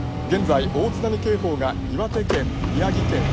現在大津波警報が岩手県宮城県